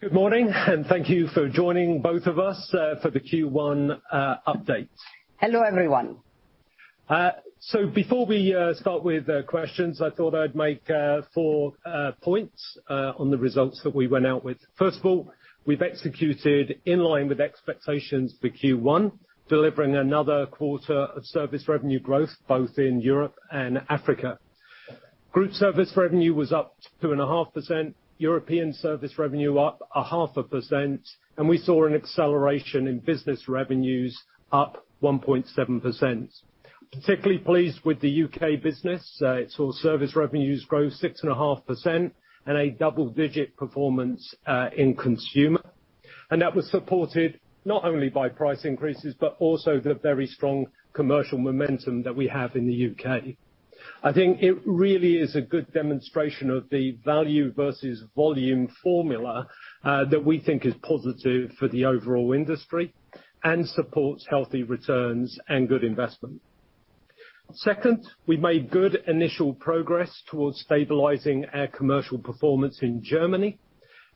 Good morning, and thank you for joining both of us for the Q1 update. Hello, everyone. Before we start with questions, I thought I'd make four points on the results that we went out with. First of all, we've executed in line with expectations for Q1, delivering another quarter of service revenue growth, both in Europe and Africa. Group service revenue was up 2.5%. European service revenue up 0.5%, and we saw an acceleration in business revenues up 1.7%. Particularly pleased with the UK business. It saw service revenues grow 6.5% and a double-digit performance in consumer. That was supported not only by price increases, but also the very strong commercial momentum that we have in the UK. I think it really is a good demonstration of the value versus volume formula that we think is positive for the overall industry and supports healthy returns and good investment. Second, we made good initial progress towards stabilizing our commercial performance in Germany.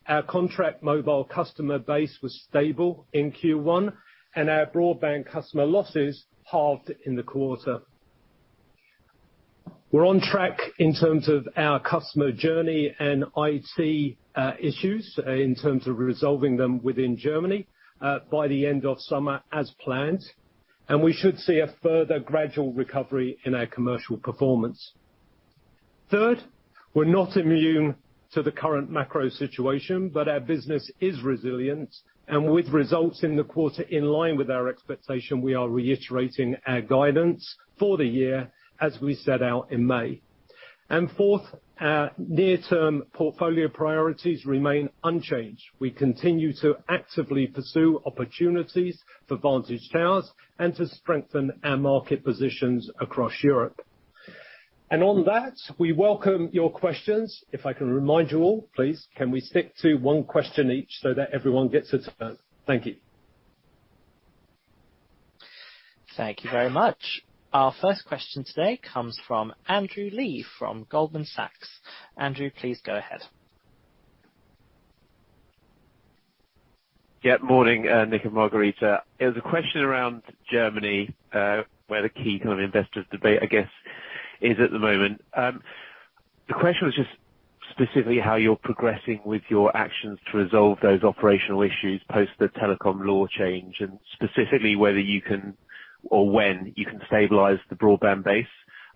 Our contract mobile customer base was stable in Q1, and our broadband customer losses halved in the quarter. We're on track in terms of our customer journey and IT issues in terms of resolving them within Germany by the end of summer as planned, and we should see a further gradual recovery in our commercial performance. Third, we're not immune to the current macro situation, but our business is resilient, and with results in the quarter in line with our expectation, we are reiterating our guidance for the year as we set out in May. Fourth, our near-term portfolio priorities remain unchanged. We continue to actively pursue opportunities for Vantage Towers and to strengthen our market positions across Europe. On that, we welcome your questions. If I can remind you all, please, can we stick to one question each so that everyone gets a turn? Thank you. Thank you very much. Our first question today comes from Andrew Lee from Goldman Sachs. Andrew, please go ahead. Yeah. Morning, Nick and Margherita. It was a question around Germany, where the key kind of investors debate, I guess, is at the moment. The question was just specifically how you're progressing with your actions to resolve those operational issues post the telecom law change, and specifically whether you can or when you can stabilize the broadband base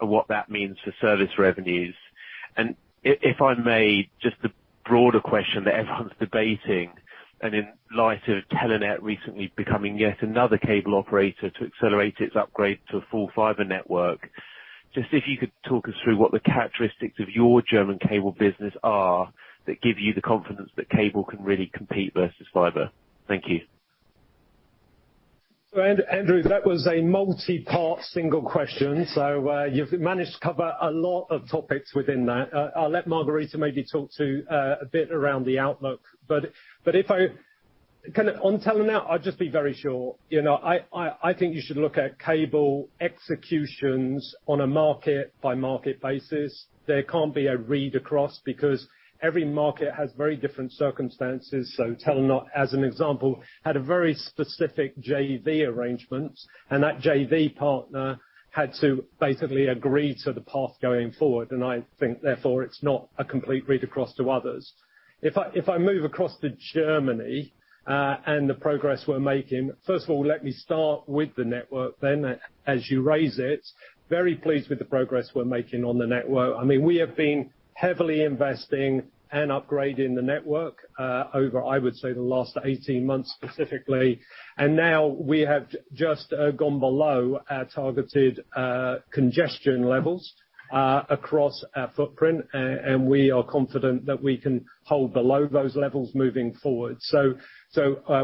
and what that means for service revenues. If I may, just a broader question that everyone's debating, and in light of Telenet recently becoming yet another cable operator to accelerate its upgrade to a full fiber network, just if you could talk us through what the characteristics of your German cable business are that give you the confidence that cable can really compete versus fiber. Thank you. Andrew, that was a multi-part single question. You've managed to cover a lot of topics within that. I'll let Margherita maybe talk to a bit around the outlook. Kind of on Telenet, I'll just be very short. I think you should look at cable executions on a market-by-market basis. There can't be a read-across because every market has very different circumstances. Telenet, as an example, had a very specific JV arrangement, and that JV partner had to basically agree to the path going forward. I think, therefore, it's not a complete read across to others. If I move across to Germany, and the progress we're making, first of all, let me start with the network then as you raise it. Very pleased with the progress we're making on the network. I mean, we have been heavily investing and upgrading the network over, I would say, the last 18 months specifically. Now we have just gone below our targeted congestion levels across our footprint. We are confident that we can hold below those levels moving forward. So,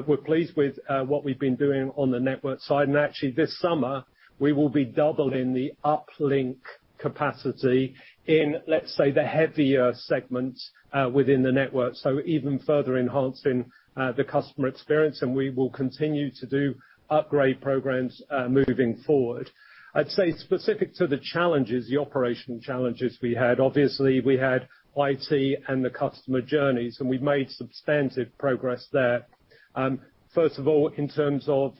we're pleased with what we've been doing on the network side. Actually this summer, we will be doubling the uplink capacity in, let's say, the heavier segments within the network, so even further enhancing the customer experience, and we will continue to do upgrade programs moving forward. I'd say specific to the challenges, the operational challenges we had, obviously, we had IT and the customer journeys, and we've made substantive progress there. First of all, in terms of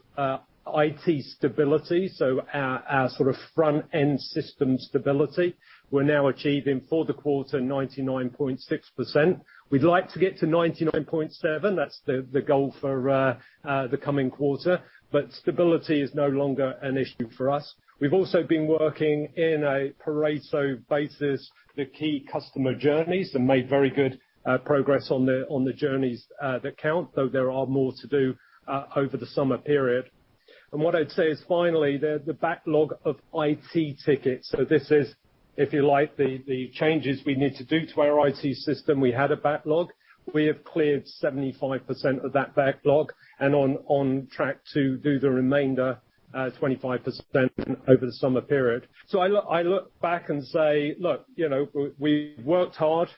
IT stability, our sort of front-end system stability, we're now achieving for the quarter 99.6%. We'd like to get to 99.7%. That's the goal for the coming quarter. Stability is no longer an issue for us. We've also been working on a Pareto basis, the key customer journeys, and made very good progress on the journeys that count, though there are more to do over the summer period. What I'd say is, finally, the backlog of IT tickets. This is, if you like, the changes we need to do to our IT system. We had a backlog. We have cleared 75% of that backlog and on track to do the remainder, 25% over the summer period. I look back and say, "Look, you know, we worked hard.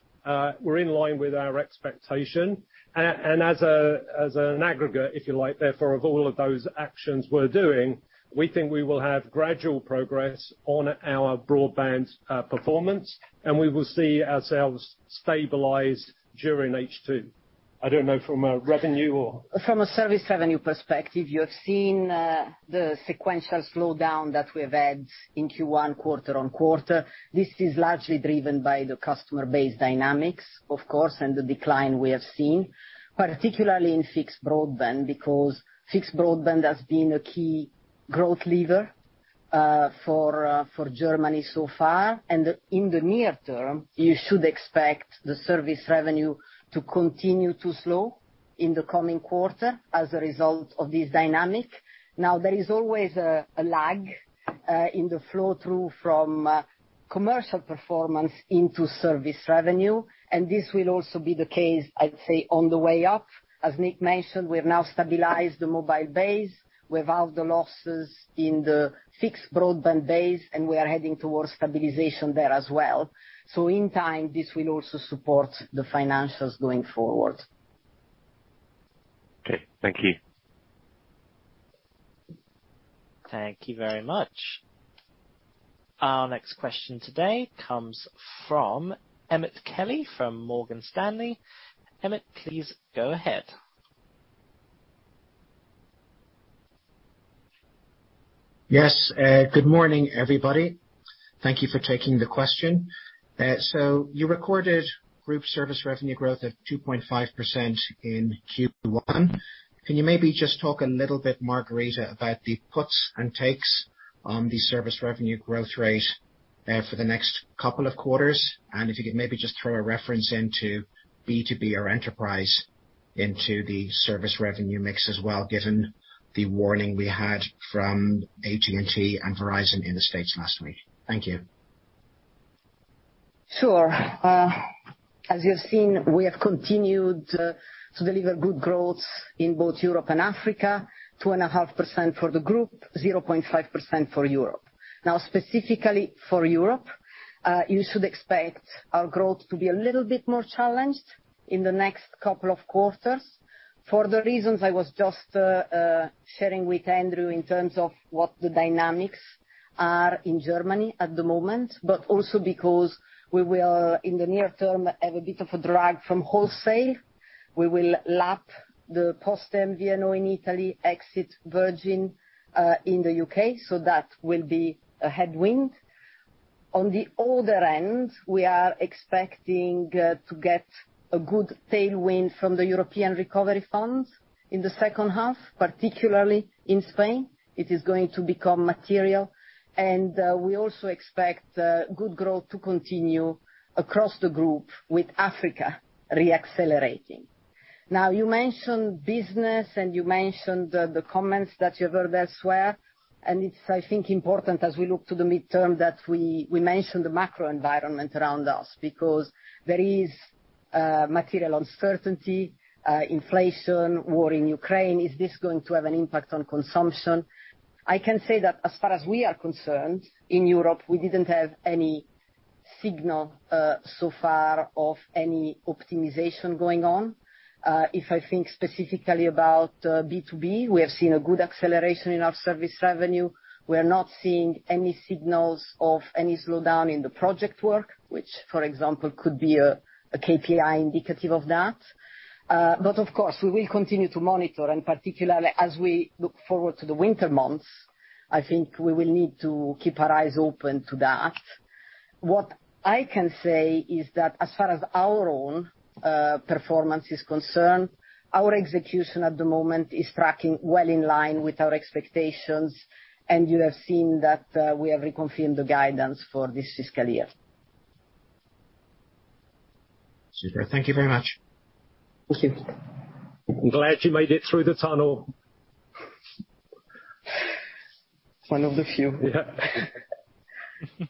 We're in line with our expectation." As an aggregate, if you like, as a result of all of those actions we're doing, we think we will have gradual progress on our broadband performance, and we will see ourselves stabilize during H2. I don't know, from a revenue or From a service revenue perspective, you have seen the sequential slowdown that we have had in Q1 quarter on quarter. This is largely driven by the customer base dynamics, of course, and the decline we have seen, particularly in fixed broadband, because fixed broadband has been a key growth lever for Germany so far. In the near term, you should expect the service revenue to continue to slow in the coming quarter as a result of this dynamic. Now, there is always a lag in the flow-through from commercial performance into service revenue, and this will also be the case, I'd say, on the way up. As Nick mentioned, we've now stabilized the mobile base. We've halved the losses in the fixed broadband base, and we are heading towards stabilization there as well. In time, this will also support the financials going forward. Okay. Thank you. Thank you very much. Our next question today comes from Emmett Kelly from Morgan Stanley. Emmett, please go ahead. Yes. Good morning, everybody. Thank you for taking the question. So you recorded group service revenue growth of 2.5% in Q1. Can you maybe just talk a little bit, Margherita, about the puts and takes on the service revenue growth rate, for the next couple of quarters? If you could maybe just throw a reference into B2B or enterprise into the service revenue mix as well, given the warning we had from AT&T and Verizon in the States last week. Thank you. Sure. As you have seen, we have continued to deliver good growth in both Europe and Africa, 2.5% for the group, 0.5% for Europe. Now, specifically for Europe, you should expect our growth to be a little bit more challenged in the next couple of quarters for the reasons I was just sharing with Andrew in terms of what the dynamics are in Germany at the moment, but also because we will, in the near term, have a bit of a drag from wholesale. We will lap the PosteMobile in Italy, exit Virgin Media O2 in the UK, so that will be a headwind. On the other end, we are expecting to get a good tailwind from the EU recovery funds in the second half, particularly in Spain. It is going to become material. We also expect good growth to continue across the group with Africa re-accelerating. Now, you mentioned business, and you mentioned the comments that you heard elsewhere. It's, I think, important as we look to the midterm that we mention the macro environment around us because there is material uncertainty, inflation, war in Ukraine. Is this going to have an impact on consumption? I can say that as far as we are concerned, in Europe, we didn't have any signal so far of any optimization going on. If I think specifically about B2B, we have seen a good acceleration in our service revenue. We're not seeing any signals of any slowdown in the project work, which for example, could be a KPI indicative of that. Of course, we will continue to monitor, and particularly as we look forward to the winter months, I think we will need to keep our eyes open to that. What I can say is that as far as our own performance is concerned, our execution at the moment is tracking well in line with our expectations, and you have seen that, we have reconfirmed the guidance for this fiscal year. Super. Thank you very much. Thank you. I'm glad you made it through the tunnel. One of the few. Yeah.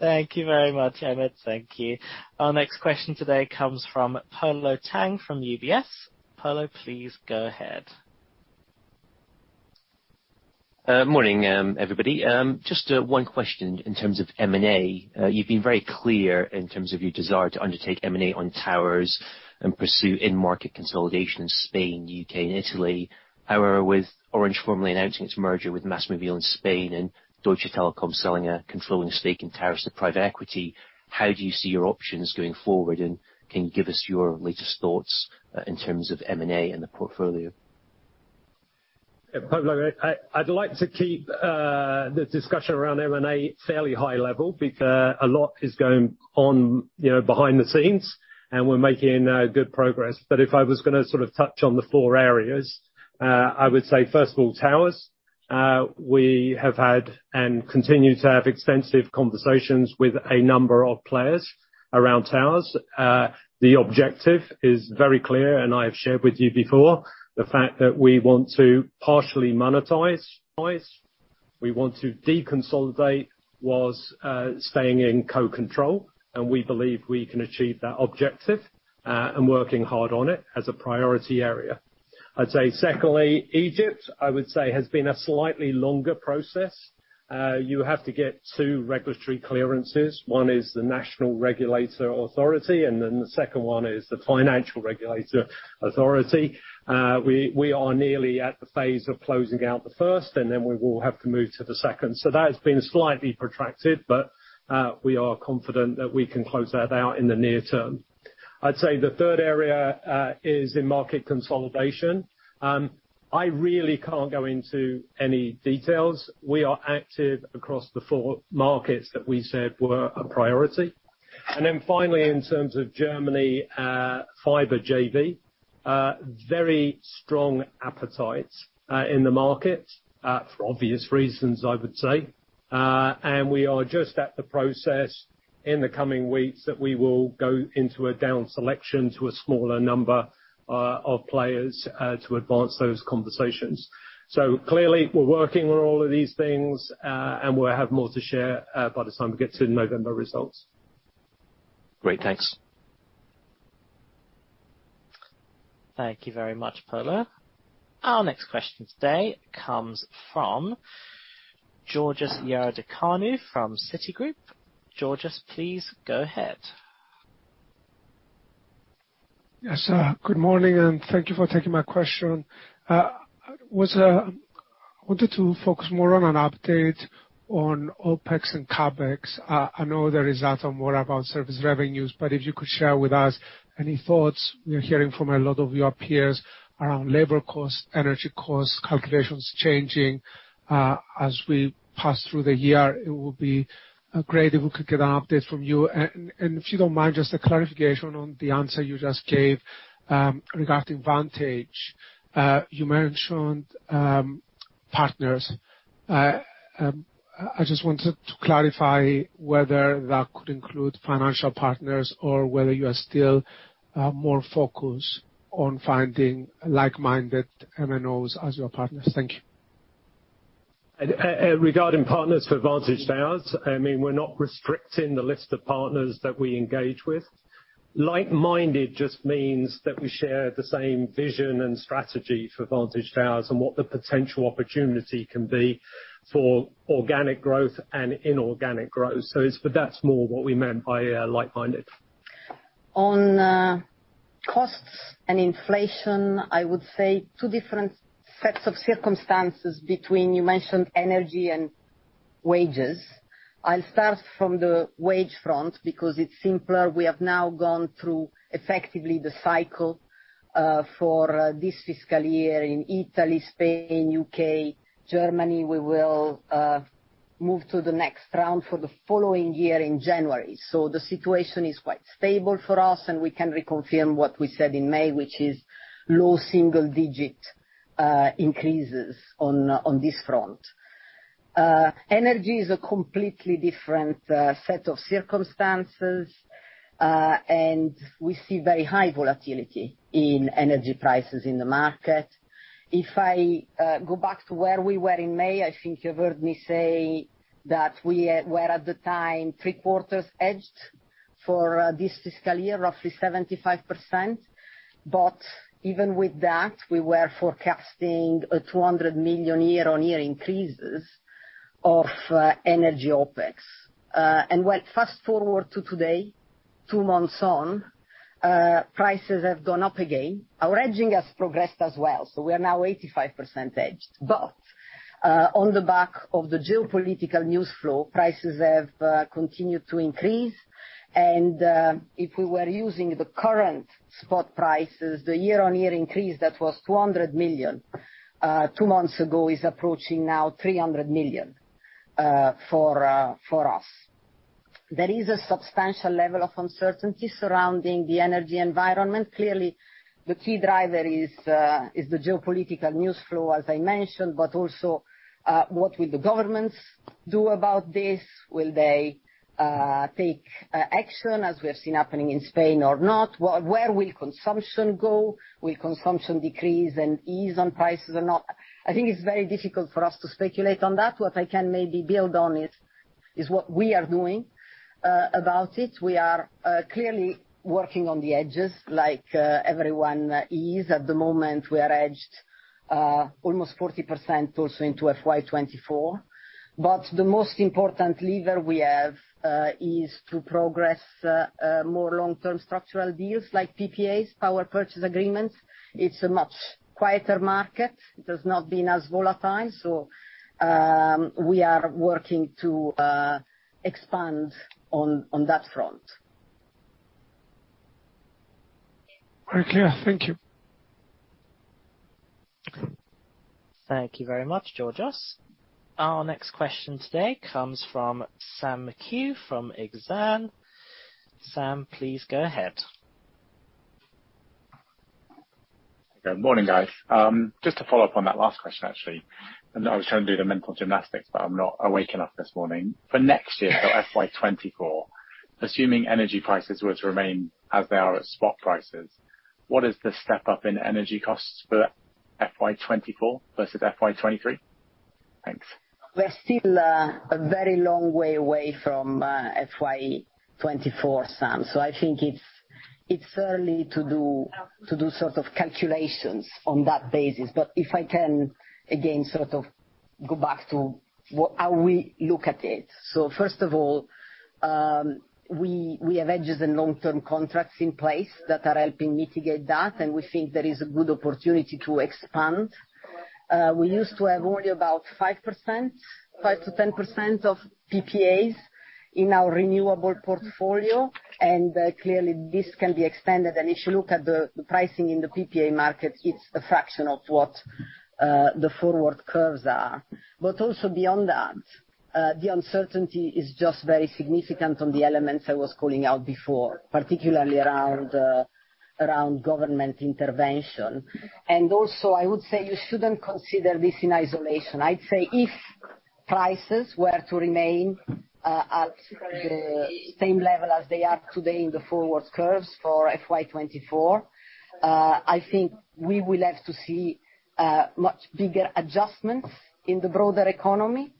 Thank you very much, Emmett. Thank you. Our next question today comes from Polo Tang from UBS. Polo, please go ahead. Morning, everybody. Just one question in terms of M&A. You've been very clear in terms of your desire to undertake M&A on towers and pursue in-market consolidation in Spain, UK, and Italy. However, with Orange formally announcing its merger with MásMóvil in Spain and Deutsche Telekom selling a controlling stake in towers to private equity, how do you see your options going forward, and can you give us your latest thoughts in terms of M&A and the portfolio? Polo, I'd like to keep the discussion around M&A fairly high level because a lot is going on, you know, behind the scenes, and we're making good progress. If I was gonna sort of touch on the four areas, I would say, first of all, towers. We have had and continue to have extensive conversations with a number of players around towers. The objective is very clear, and I have shared with you before the fact that we want to partially monetize. We want to deconsolidate while staying in co-control, and we believe we can achieve that objective, and working hard on it as a priority area. I'd say secondly, Egypt, I would say has been a slightly longer process. You have to get two regulatory clearances. One is the national regulator authority, and then the second one is the financial regulator authority. We are nearly at the phase of closing out the first, and then we will have to move to the second. That has been slightly protracted, but we are confident that we can close that out in the near term. I'd say the third area is in market consolidation. I really can't go into any details. We are active across the four markets that we said were a priority. Then finally, in terms of Germany, fiber JV, very strong appetite in the market for obvious reasons, I would say. We are just at the process in the coming weeks that we will go into a down selection to a smaller number of players to advance those conversations. Clearly, we're working on all of these things, and we'll have more to share by the time we get to the November results. Great. Thanks. Thank you very much, Polo. Our next question today comes from Georgios Ierodiaconou from Citigroup. Georgios, please go ahead. Yes. Good morning, and thank you for taking my question. I wanted to focus more on an update on OpEx and CapEx. I know the results are more about service revenues, but if you could share with us any thoughts. We are hearing from a lot of your peers around labor costs, energy costs, calculations changing, as we pass through the year. It would be great if we could get an update from you. If you don't mind, just a clarification on the answer you just gave, regarding Vantage. You mentioned partners. I just wanted to clarify whether that could include financial partners or whether you are still more focused on finding like-minded MNOs as your partners. Thank you. Regarding partners for Vantage Towers, I mean, we're not restricting the list of partners that we engage with. Like-minded just means that we share the same vision and strategy for Vantage Towers and what the potential opportunity can be for organic growth and inorganic growth. But that's more what we meant by like-minded. On costs and inflation, I would say two different sets of circumstances between the ones you mentioned, energy and wages. I'll start from the wage front because it's simpler. We have now gone through effectively the cycle for this fiscal year in Italy, Spain, UK, Germany. We will move to the next round for the following year in January. The situation is quite stable for us, and we can reconfirm what we said in May, which is low single-digit increases on this front. Energy is a completely different set of circumstances, and we see very high volatility in energy prices in the market. If I go back to where we were in May, I think you heard me say that we were at the time three-quarters hedged for this fiscal year, roughly 75%. Even with that, we were forecasting a 200 million year-on-year increase in energy OpEx. Well, fast-forward to today, two months on, prices have gone up again. Our hedging has progressed as well, so we are now 85% hedged. On the back of the geopolitical news flow, prices have continued to increase. If we were using the current spot prices, the year-on-year increase that was 200 million two months ago is approaching now 300 million for us. There is a substantial level of uncertainty surrounding the energy environment. Clearly, the key driver is the geopolitical news flow, as I mentioned, but also, what will the governments do about this? Will they take action as we have seen happening in Spain or not? Where will consumption go? Will consumption decrease and ease on prices or not? I think it's very difficult for us to speculate on that. What I can maybe build on is what we are doing about it. We are clearly working on the hedges like everyone is. At the moment, we are hedged almost 40% also into FY 2024. The most important lever we have is to progress more long-term structural deals like PPAs, power purchase agreements. It's a much quieter market. It has not been as volatile, so we are working to expand on that front. Very clear. Thank you. Thank you very much, Georgios. Our next question today comes from Sam McHugh from Exane. Sam, please go ahead. Good morning, guys. Just to follow up on that last question, actually, and I was trying to do the mental gymnastics, but I'm not awake enough this morning. For next year, so FY24, assuming energy prices were to remain as they are at spot prices, what is the step-up in energy costs for FY24 versus FY23? Thanks. We're still a very long way away from FY24, Sam, so I think it's early to do sort of calculations on that basis. If I can, again, sort of go back to how we look at it. First of all, we have hedges and long-term contracts in place that are helping mitigate that, and we think there is a good opportunity to expand. We used to have only about 5%-10% of PPAs in our renewable portfolio, and clearly this can be expanded. If you look at the pricing in the PPA market, it's a fraction of what the forward curves are. Also beyond that, the uncertainty is just very significant on the elements I was calling out before, particularly around government intervention. Also I would say you shouldn't consider this in isolation. I'd say if prices were to remain at the same level as they are today in the forward curves for FY24, I think we will have to see much bigger adjustments in the broader economy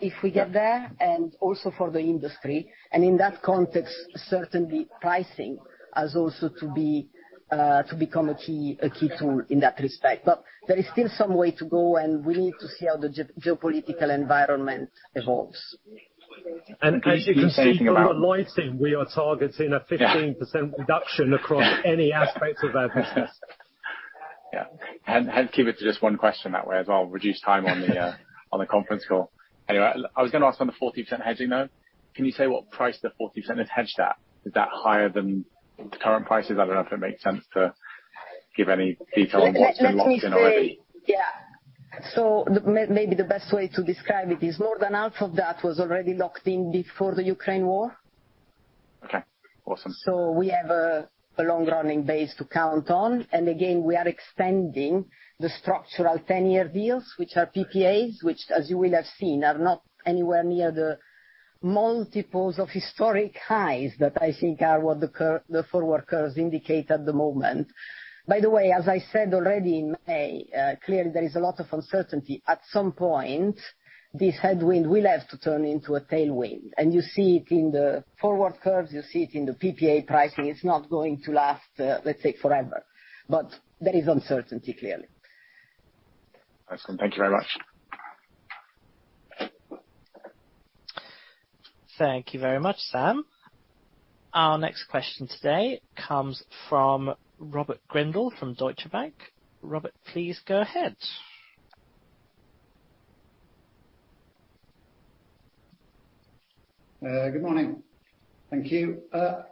if we get there, and also for the industry. In that context, certainly pricing has also to be to become a key tool in that respect. There is still some way to go, and we need to see how the geopolitical environment evolves. As you can see from the lighting, we are targeting a 15% reduction across any aspects of our business. Yeah. Keep it to just one question that way as well. Reduce time on the conference call. Anyway, I was gonna ask on the 40% hedging now. Can you say what price the 40% is hedged at? Is that higher than the current prices? I don't know if it makes sense to give any detail on what's been locked in already. Let me see. Yeah. Maybe the best way to describe it is more than half of that was already locked in before the Ukraine war. Okay. Awesome. We have a long-running base to count on. We are extending the structural ten-year deals, which are PPAs, which as you will have seen, are not anywhere near the multiples of historic highs that I think are what the forward curves indicate at the moment. By the way, as I said already in May, clearly there is a lot of uncertainty. At some point, this headwind will have to turn into a tailwind, and you see it in the forward curves, you see it in the PPA pricing. It's not going to last, let's say forever. There is uncertainty, clearly. Awesome. Thank you very much. Thank you very much, Sam. Our next question today comes from Robert Grindle from Deutsche Bank. Robert, please go ahead. Good morning. Thank you.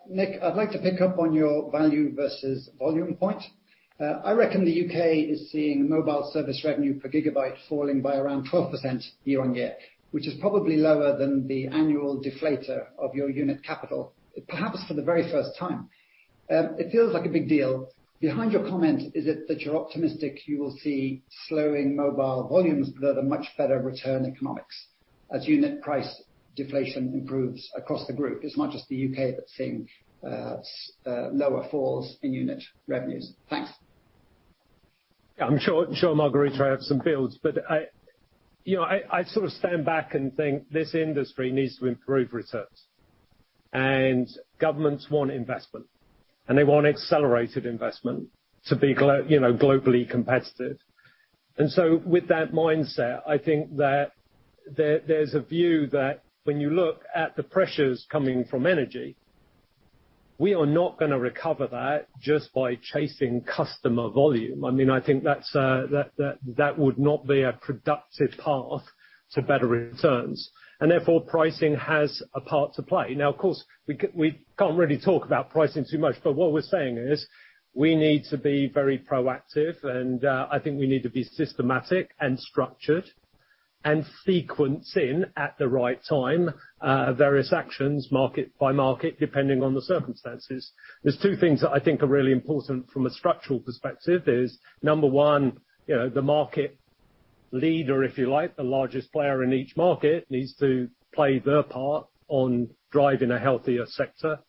Nick, I'd like to pick up on your value versus volume point. I reckon the UK is seeing mobile service revenue per gigabyte falling by around 12% year-on-year, which is probably lower than the annual deflator of your unit CapEx, perhaps for the very first time. It feels like a big deal. Behind your comment, is it that you're optimistic you will see slowing mobile volumes but at a much better return economics as unit price deflation improves across the group? It's not just the UK that's seeing lower falls in unit revenues. Thanks. I'm sure Margherita has some bullets, but you know, I sort of stand back and think this industry needs to improve returns. Governments want investment, and they want accelerated investment to be you know, globally competitive. With that mindset, I think that there's a view that when you look at the pressures coming from energy, we are not gonna recover that just by chasing customer volume. I mean, I think that would not be a productive path to better returns. Therefore, pricing has a part to play. Now, of course, we can't really talk about pricing too much, but what we're saying is we need to be very proactive and, I think we need to be systematic and structured and sequence in at the right time, various actions, market by market, depending on the circumstances. There's two things that I think are really important from a structural perspective is, number one, you know, the market leader, if you like, the largest player in each market needs to play their part on driving a healthier sector.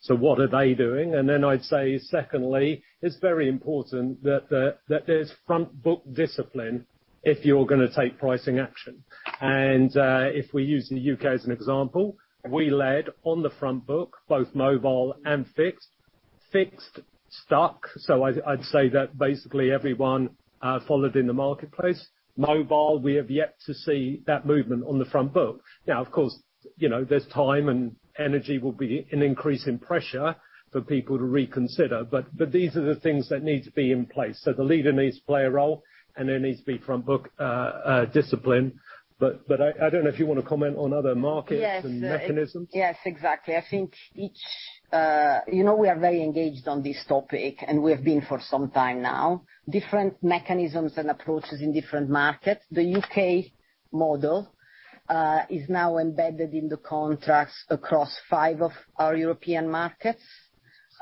So what are they doing? Then I'd say secondly, it's very important that that there's front book discipline if you're gonna take pricing action. If we use the UK as an example, we led on the front book, both mobile and fixed. Fixed stuck, so I'd say that basically everyone followed in the marketplace. Mobile, we have yet to see that movement on the front book. Now, of course, you know, there's time and urgency will be an increase in pressure for people to reconsider, but these are the things that need to be in place. The leader needs to play a role, and there needs to be front book discipline. I don't know if you wanna comment on other markets. Yes. and mechanisms. Yes, exactly. I think. You know we are very engaged on this topic, and we have been for some time now. Different mechanisms and approaches in different markets. The UK model is now embedded in the contracts across five of our European markets,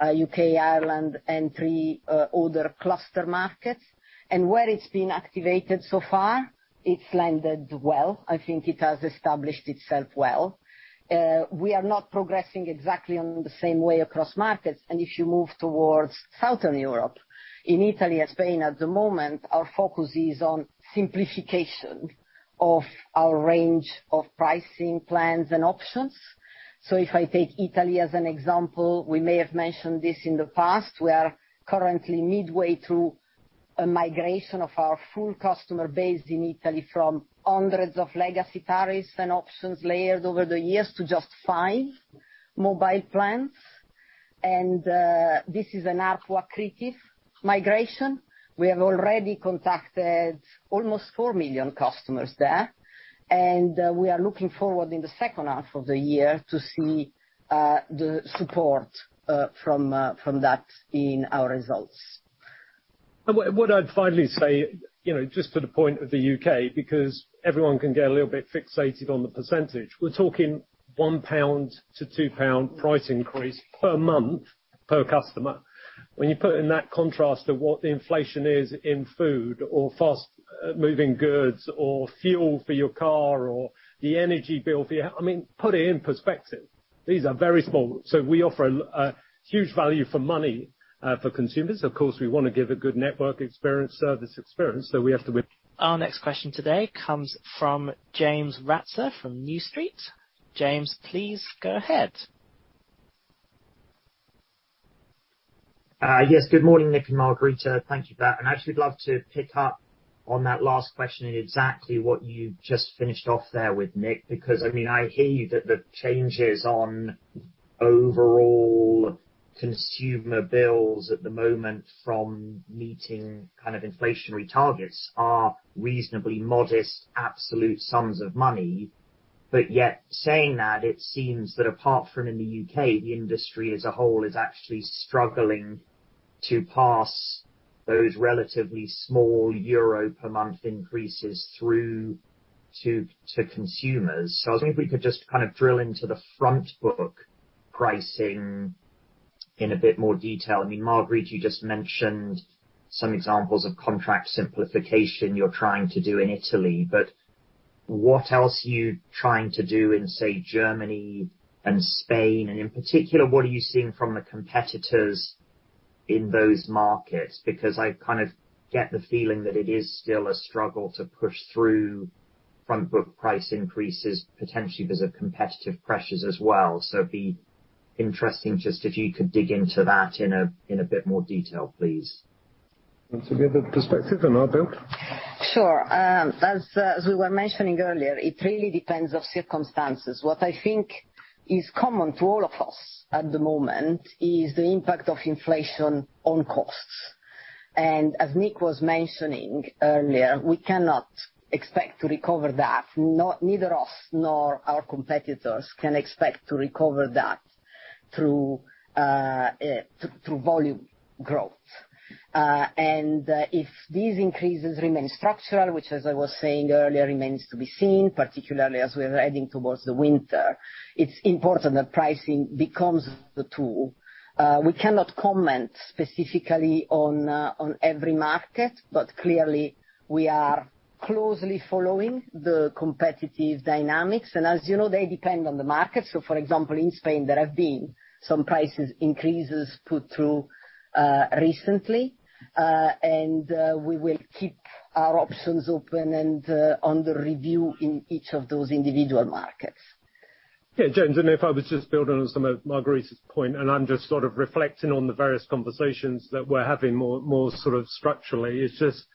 UK, Ireland, and three other cluster markets. Where it's been activated so far, it's landed well. I think it has established itself well. We are not progressing exactly on the same way across markets. If you move towards Southern Europe, in Italy and Spain at the moment, our focus is on simplification of our range of pricing plans and options. If I take Italy as an example, we may have mentioned this in the past. We are currently midway through a migration of our full customer base in Italy from hundreds of legacy tariffs and options layered over the years to just five mobile plans. This is an ARPU accretive migration. We have already contacted almost 4 million customers there, and we are looking forward in the second half of the year to see the support from that in our results. What I'd finally say, you know, just to the point of the UK, because everyone can get a little bit fixated on the percentage, we're talking 1–2 pound price increase per month per customer. When you put in that contrast to what the inflation is in food or fast moving goods or fuel for your car or the energy bill for your I mean, put it in perspective. These are very small. We offer a huge value for money for consumers. Of course, we wanna give a good network experience, service experience, so we have to whip Our next question today comes from James Ratzer from New Street. James, please go ahead. Yes. Good morning, Nick and Margherita. Thank you for that. I'd actually love to pick up on that last question and exactly what you just finished off there with Nick, because, I mean, I hear you that the changes on overall consumer bills at the moment from meeting kind of inflationary targets are reasonably modest, absolute sums of money. But yet saying that, it seems that apart from in the UK, the industry as a whole is actually struggling to pass those relatively small euro per month increases through to consumers. I was wondering if we could just kind of drill into the front book pricing in a bit more detail. I mean, Margherita, you just mentioned some examples of contract simplification you're trying to do in Italy, but what else are you trying to do in, say, Germany and Spain? In particular, what are you seeing from the competitors in those markets? Because I kind of get the feeling that it is still a struggle to push through front book price increases, potentially because of competitive pressures as well. It'd be interesting just if you could dig into that in a bit more detail, please. Want to give a perspective on that, Marg? Sure. As we were mentioning earlier, it really depends on circumstances. What I think is common to all of us at the moment is the impact of inflation on costs. As Nick was mentioning earlier, we cannot expect to recover that. Neither us nor our competitors can expect to recover that through volume growth. If these increases remain structural, which as I was saying earlier, remains to be seen, particularly as we're heading towards the winter, it's important that pricing becomes the tool. We cannot comment specifically on every market, but clearly we are closely following the competitive dynamics. As you know, they depend on the market. For example, in Spain, there have been some price increases put through recently. We will keep our options open and on the review in each of those individual markets. Yeah. James, if I was just building on some of Margherita's point, and I'm just sort of reflecting on the various conversations that we're having more sort of structurally, it's just,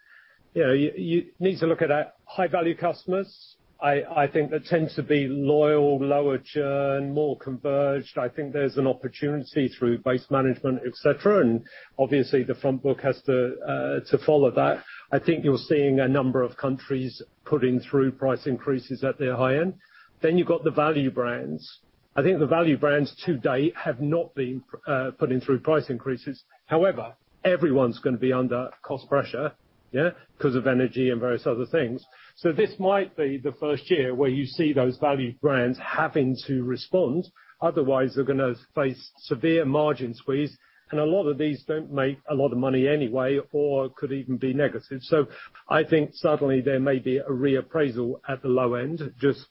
you know, you need to look at our high-value customers. I think they tend to be loyal, lower churn, more converged. I think there's an opportunity through base management, et cetera. Obviously the front book has to follow that. I think you're seeing a number of countries putting through price increases at their high end. You've got the value brands. I think the value brands to date have not been putting through price increases. However, everyone's gonna be under cost pressure, yeah, 'cause of energy and various other things. This might be the first year where you see those value brands having to respond. Otherwise, they're gonna face severe margin squeeze, and a lot of these don't make a lot of money anyway, or could even be negative. I think suddenly there may be a reappraisal at the low end, just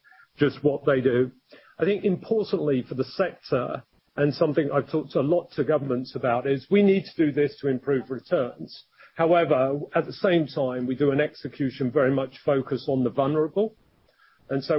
what they do. I think importantly for the sector, and something I've talked a lot to governments about, is we need to do this to improve returns. However, at the same time, we do an execution very much focused on the vulnerable.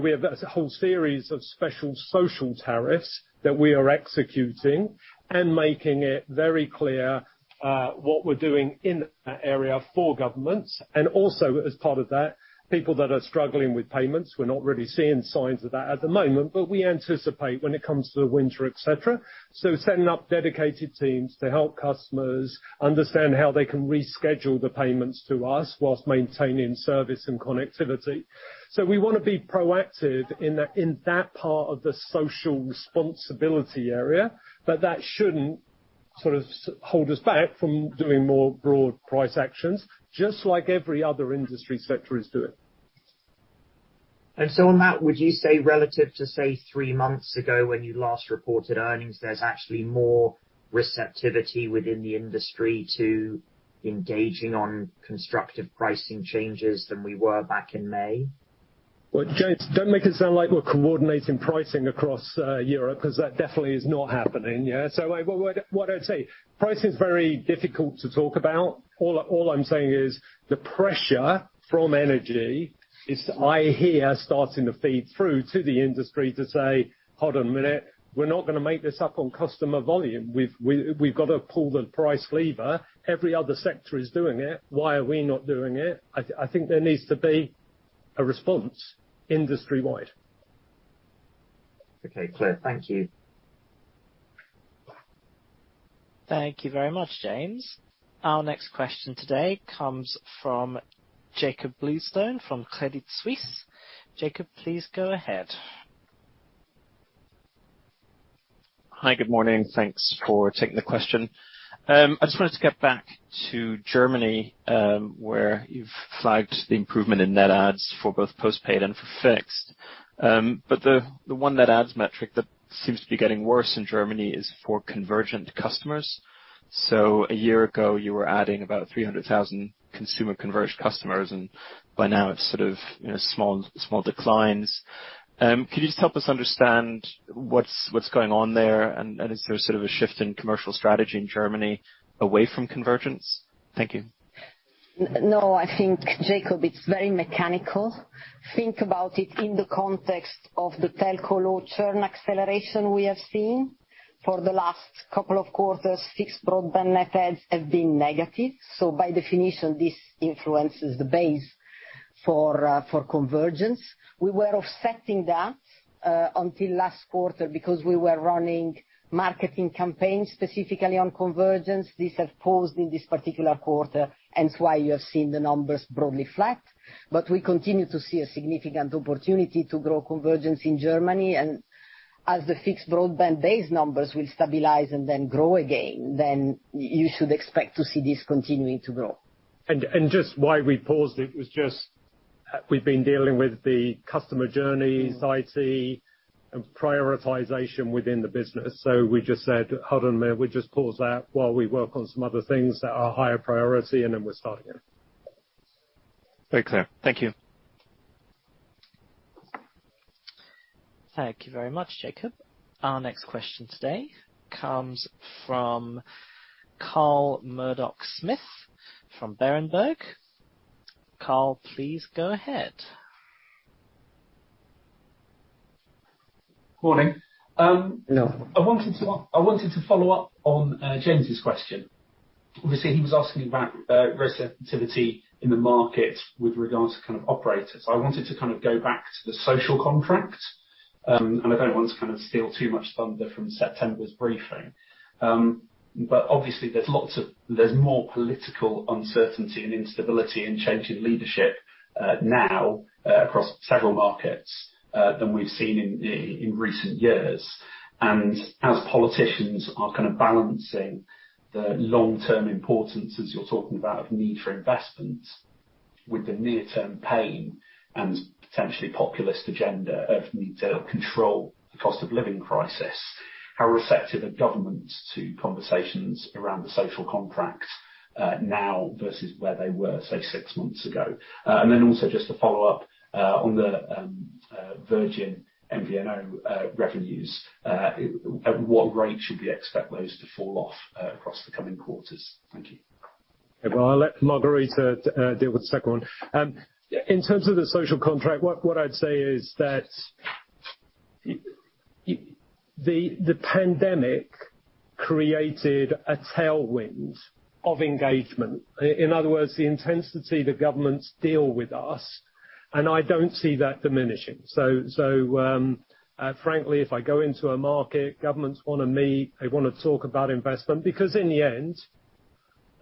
We have a whole series of special social tariffs that we are executing and making it very clear what we're doing in that area for governments. As part of that, people that are struggling with payments, we're not really seeing signs of that at the moment, but we anticipate when it comes to the winter, et cetera. Setting up dedicated teams to help customers understand how they can reschedule the payments to us while maintaining service and connectivity. We wanna be proactive in that part of the social responsibility area, but that shouldn't sort of hold us back from doing more broad price actions, just like every other industry sector is doing. On that, would you say relative to, say, three months ago when you last reported earnings, there's actually more receptivity within the industry to engaging on constructive pricing changes than we were back in May? Well, James, don't make it sound like we're coordinating pricing across Europe, 'cause that definitely is not happening. Yeah. What I'd say, pricing is very difficult to talk about. All I'm saying is the pressure from energy is, I hear, starting to feed through to the industry to say, "Hold on a minute. We're not gonna make this up on customer volume. We've got to pull the price lever. Every other sector is doing it. Why are we not doing it?" I think there needs to be a response industry-wide. Okay, clear. Thank you. Thank you very much, James. Our next question today comes from Jakob Bluestone from Credit Suisse. Jakob, please go ahead. Hi. Good morning. Thanks for taking the question. I just wanted to get back to Germany, where you've flagged the improvement in net adds for both postpaid and for fixed. But the one net adds metric that seems to be getting worse in Germany is for convergent customers. A year ago, you were adding about 300,000 consumer convergent customers, and by now it's sort of, you know, small declines. Could you just help us understand what's going on there and is there sort of a shift in commercial strategy in Germany away from convergence? Thank you. No, I think, Jakob, it's very mechanical. Think about it in the context of the telco low churn acceleration we have seen. For the last couple of quarters, fixed broadband net adds have been negative, so by definition, this influences the base for convergence. We were offsetting that until last quarter because we were running marketing campaigns specifically on convergence. This has paused in this particular quarter, hence why you have seen the numbers broadly flat. We continue to see a significant opportunity to grow convergence in Germany. As the fixed broadband base numbers will stabilize and then grow again, then you should expect to see this continuing to grow. just why we paused it was just, we've been dealing with the customer journeys, IT, and prioritization within the business. We just said, "Hold on there. We'll just pause that while we work on some other things that are higher priority, and then we'll start again. Very clear. Thank you. Thank you very much, Jakob. Our next question today comes from Carl Murdock-Smith from Berenberg. Carl, please go ahead. Morning. Hello. I wanted to follow up on James' question. Obviously, he was asking about receptivity in the market with regard to kind of operators. I wanted to kind of go back to the social contract, and I don't want to kind of steal too much thunder from September's briefing. But obviously, there's more political uncertainty and instability and change in leadership now across several markets than we've seen in recent years. As politicians are kind of balancing the long-term importance, as you're talking about, of need for investment with the near-term pain and potentially populist agenda of need to help control the cost of living crisis, how receptive are governments to conversations around the social contract now versus where they were, say, six months ago? Also just to follow up on the Virgin MVNO revenues. At what rate should we expect those to fall off across the coming quarters? Thank you. Well, I'll let Margherita deal with the second one. In terms of the social contract, what I'd say is that the pandemic created a tailwind of engagement. In other words, the intensity the governments deal with us, and I don't see that diminishing. Frankly, if I go into a market, governments wanna meet, they wanna talk about investment. Because in the end,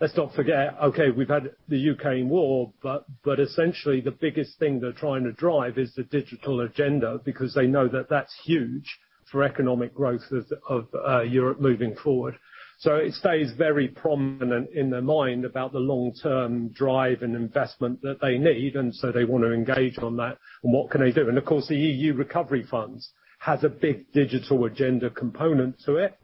let's not forget, okay, we've had the Ukraine war, but essentially the biggest thing they're trying to drive is the digital agenda, because they know that that's huge for economic growth of Europe moving forward. It stays very prominent in their mind about the long-term drive and investment that they need, and they wanna engage on that and what can they do. Of course, the EU recovery funds has a big digital agenda component to it.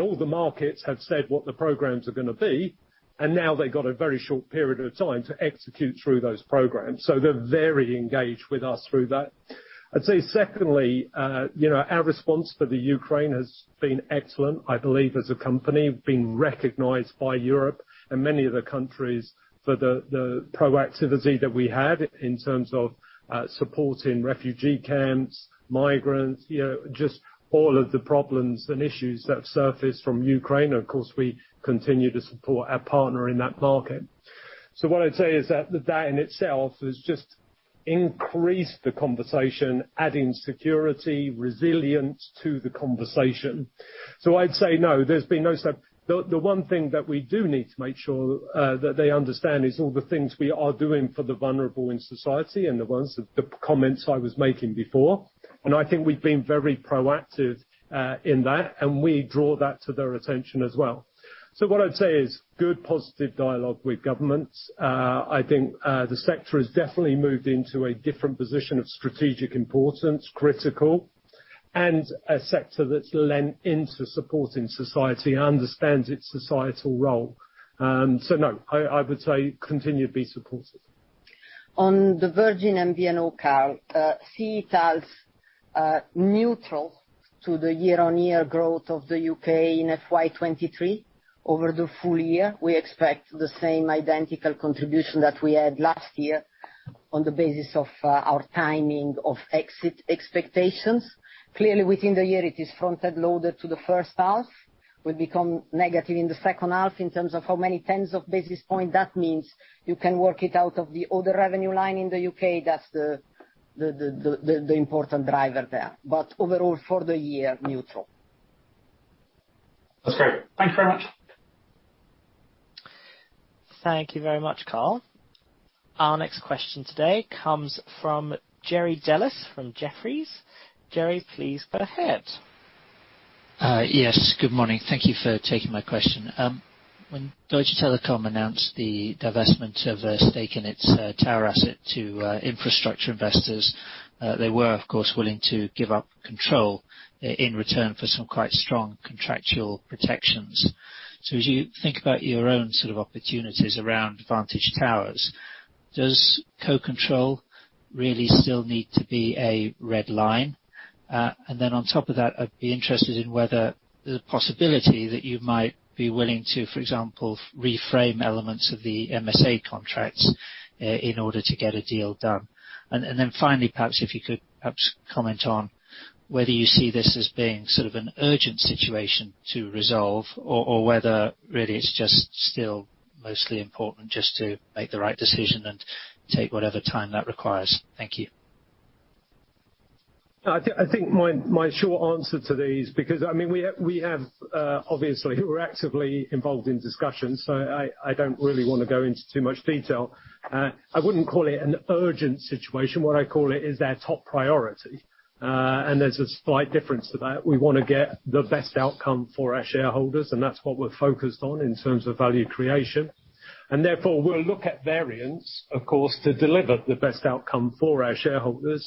All the markets have said what the programs are gonna be, and now they've got a very short period of time to execute through those programs. They're very engaged with us through that. I'd say secondly, you know, our response to the Ukraine has been excellent. I believe as a company, we've been recognized by Europe and many of the countries for the proactivity that we had in terms of supporting refugee camps, migrants, you know, just all of the problems and issues that have surfaced from Ukraine. Of course, we continue to support our partner in that market. What I'd say is that that in itself has just increased the conversation, adding security, resilience to the conversation. I'd say no, there's been no such The one thing that we do need to make sure that they understand is all the things we are doing for the vulnerable in society and the ones, the comments I was making before. I think we've been very proactive in that, and we draw that to their attention as well. What I'd say is good, positive dialogue with governments. I think the sector has definitely moved into a different position of strategic importance, critical, and a sector that's leaned into supporting society and understands its societal role. No, I would say continue to be supportive. On the Virgin MVNO, Carl, see it as neutral to the year-over-year growth of the UK in FY23. Over the full year, we expect the same identical contribution that we had last year on the basis of our timing of exit expectations. Clearly within the year it is front-end loaded to the first half, will become negative in the second half. In terms of how many tens of basis points that means, you can work it out of the other revenue line in the UK. That's the important driver there. But overall for the year, neutral. That's great. Thank you very much. Thank you very much, Carl. Our next question today comes from Jerry Dellis from Jefferies. Jerry, please go ahead. Yes, good morning. Thank you for taking my question. When Deutsche Telekom announced the divestment of a stake in its tower asset to infrastructure investors, they were, of course, willing to give up control in return for some quite strong contractual protections. As you think about your own sort of opportunities around Vantage Towers, does co-control really still need to be a red line? And then on top of that, I'd be interested in whether the possibility that you might be willing to, for example, reframe elements of the MSA contracts in order to get a deal done. perhaps if you could perhaps comment on whether you see this as being sort of an urgent situation to resolve, or whether really it's just still mostly important just to make the right decision and take whatever time that requires. Thank you. I think my short answer to these because I mean we have obviously we're actively involved in discussions, so I don't really wanna go into too much detail. I wouldn't call it an urgent situation. What I call it is our top priority. There's a slight difference to that. We wanna get the best outcome for our shareholders, and that's what we're focused on in terms of value creation. Therefore, we'll look at variants, of course, to deliver the best outcome for our shareholders.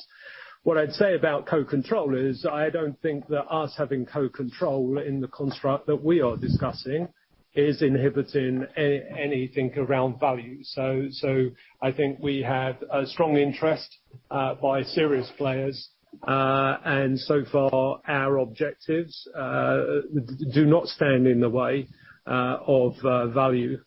What I'd say about co-control is, I don't think that us having co-control in the construct that we are discussing is inhibiting anything around value. So I think we have a strong interest by serious players. Our objectives do not stand in the way of value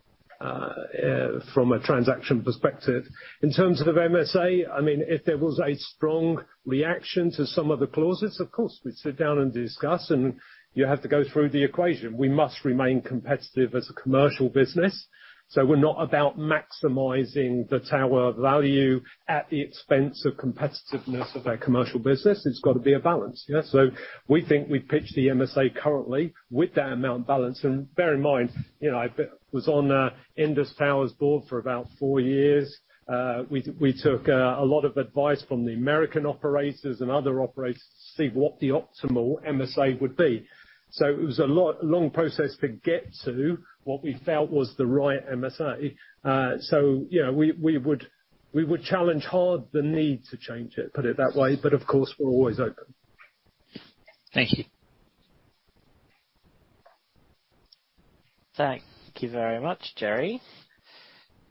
from a transaction perspective. In terms of MSA, I mean, if there was a strong reaction to some of the clauses, of course, we'd sit down and discuss, and you have to go through the equation. We must remain competitive as a commercial business. We're not about maximizing the tower value at the expense of competitiveness of our commercial business. It's got to be a balance. You know? We think we pitch the MSA currently with that amount of balance. And bear in mind, you know, I was on Indus Towers board for about four years. We took a lot of advice from the American operators and other operators to see what the optimal MSA would be. It was a lot. Long process to get to what we felt was the right MSA. So you know, we would challenge hard the need to change it, put it that way. Of course, we're always open. Thank you. Thank you very much, Jerry.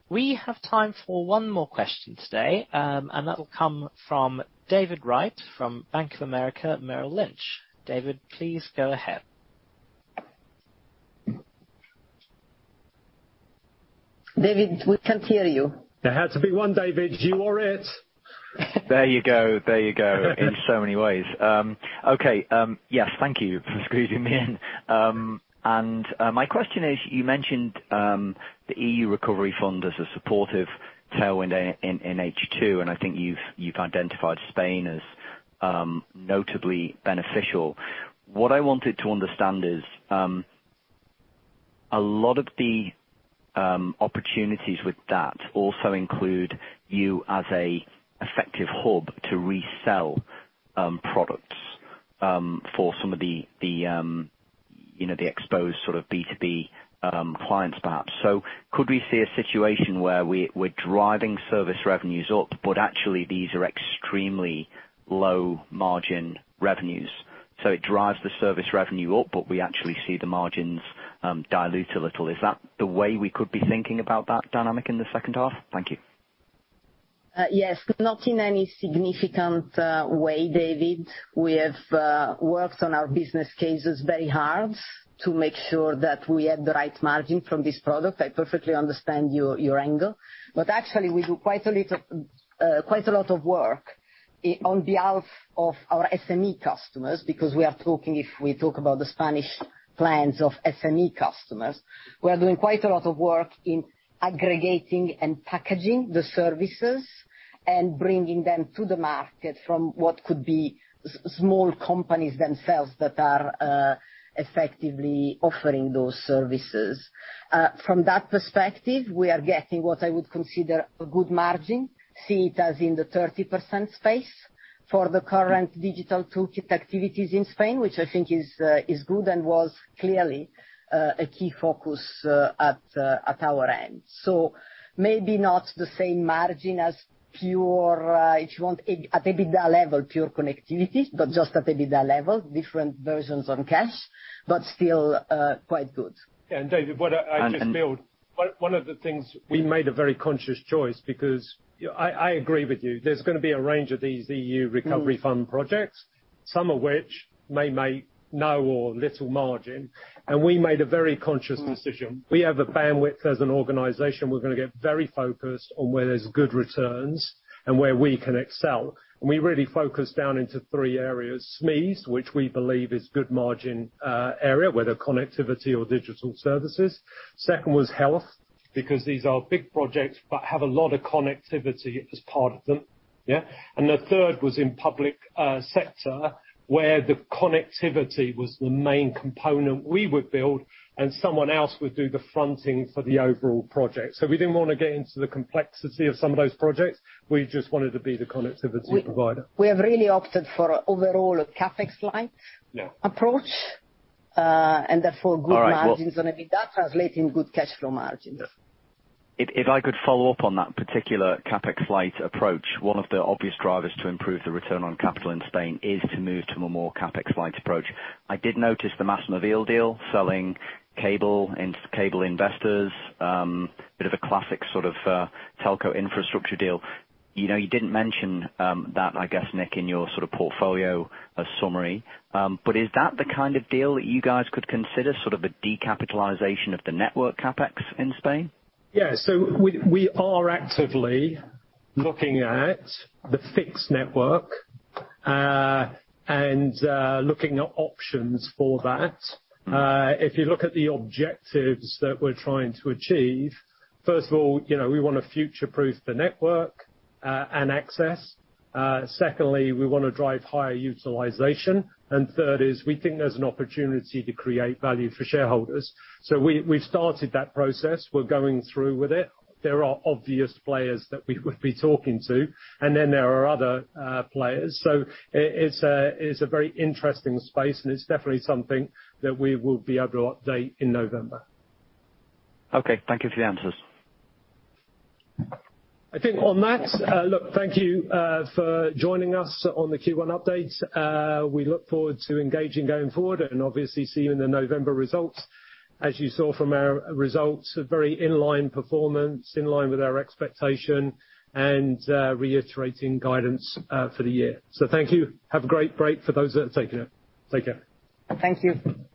We have time for one more question today, and that will come from David Wright from Bank of America Merrill Lynch. David, please go ahead. David, we can't hear you. There has to be one David. You are it. There you go. In so many ways. Okay. Yes, thank you for squeezing me in. My question is, you mentioned the EU Recovery Fund as a supportive tailwind in H2, and I think you've identified Spain as notably beneficial. What I wanted to understand is, a lot of the opportunities with that also include you as an effective hub to resell products for some of the you know, the exposed sort of B2B clients, perhaps. Could we see a situation where we're driving service revenues up, but actually these are extremely low-margin revenues, so it drives the service revenue up, but we actually see the margins dilute a little? Is that the way we could be thinking about that dynamic in the second half? Thank you. Yes. Not in any significant way, David. We have worked on our business cases very hard to make sure that we have the right margin from this product. I perfectly understand your angle, but actually we do quite a lot of work on behalf of our SME customers, because we are talking, if we talk about the Spanish plans of SME customers, we are doing quite a lot of work in aggregating and packaging the services and bringing them to the market from what could be small companies themselves that are effectively offering those services. From that perspective, we are getting what I would consider a good margin. See it as in the 30% space for the current digital toolkit activities in Spain, which I think is good and was clearly a key focus at our end. Maybe not the same margin as pure, if you want, at EBITDA level, pure connectivity, but just at EBITDA level, different pressures on cash, but still quite good. David, what I just built on, one of the things, we made a very conscious choice because you know, I agree with you. There's gonna be a range of these EU Recovery Fund projects, some of which may make no or little margin. We made a very conscious decision. We have a bandwidth as an organization, we're gonna get very focused on where there's good returns and where we can excel. We really focus down into three areas. SMEs, which we believe is good margin area, whether connectivity or digital services. Second was health, because these are big projects but have a lot of connectivity as part of them. The third was in public sector, where the connectivity was the main component we would build and someone else would do the fronting for the overall project. We didn't wanna get into the complexity of some of those projects. We just wanted to be the connectivity provider. We have really opted for overall CapEx-light. Yeah approach. Therefore good margin. All right. This is gonna be that translating good cash flow margins. Yeah. If I could follow up on that particular CapEx-light approach, one of the obvious drivers to improve the return on capital in Spain is to move to a more CapEx-light approach. I did notice the MásMóvil deal selling cable and cable investors, bit of a classic sort of telco infrastructure deal. You know, you didn't mention that, I guess, Nick, in your sort of portfolio summary, but is that the kind of deal that you guys could consider sort of a decapitalization of the network CapEx in Spain? Yeah. We are actively looking at the fixed network and looking at options for that. If you look at the objectives that we're trying to achieve, first of all, you know, we wanna future-proof the network and access. Secondly, we wanna drive higher utilization, and third is we think there's an opportunity to create value for shareholders. We've started that process. We're going through with it. There are obvious players that we would be talking to, and then there are other players. It's a very interesting space, and it's definitely something that we will be able to update in November. Okay. Thank you for the answers. I think on that, look, thank you for joining us on the Q1 update. We look forward to engaging going forward and obviously see you in the November results. As you saw from our results, a very in line performance, in line with our expectation and, reiterating guidance for the year. Thank you. Have a great break for those that are taking it. Take care. Thank you.